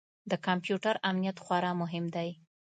د کمپیوټر امنیت خورا مهم دی.